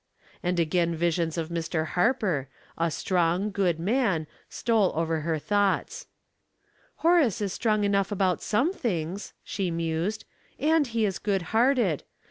'* And again visions of Mr. Harper, a "strong, good man," stole over her thoughts. " Horace is strong enough about some things," she mused, *' and he is good hearted.